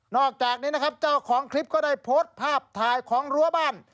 อกจากนี้นะครับเจ้าของคลิปก็ได้โพสต์ภาพถ่ายของรั้วบ้าน